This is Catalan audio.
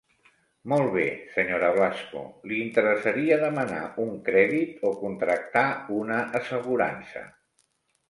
Molt bé Sra. Blasco, li interessaria demanar un crèdit, o contractar una assegurança?